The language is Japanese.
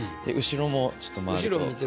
後ろもちょっと回ると。